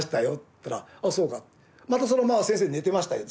またそのまま先生寝てましたよ